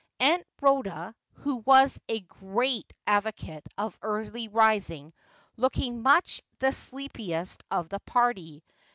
Aunt Ehoda, who was a great advocate of early rising, looking much the sleepiest of the party.